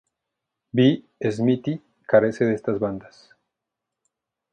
B. smithi carece de estas bandas.